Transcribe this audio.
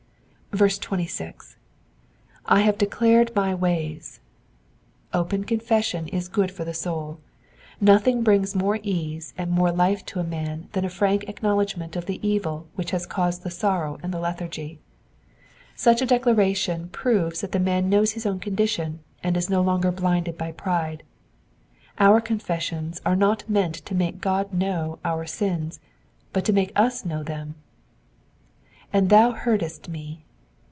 26. / hate declared my way 8.^^ Open confession is good for the soul. Nothing brings more ease and more life to a man than a frank acknowledg ment of the evil which has caused the sorrow and the lethargy. Such a declaration proves that the man knows his own condition, and is no longer blinded by pride. Our confessions are not meant to make God know our sins, but to make us know them. ^^And thou heardesi m^."